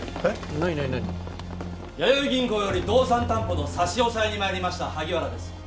何何何やよい銀行より動産担保の差し押さえにまいりました萩原です